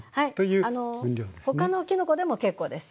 他のきのこでも結構です。